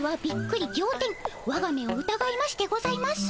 わが目をうたがいましてございます。